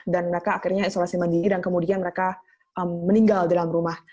dan mereka akhirnya isolasi mandiri dan kemudian mereka meninggal di dalam rumah